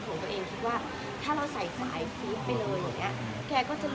ตัวเรื่องของการสำลักแล้วถ้าสำลักแล้วหรือมีอาการติดคอ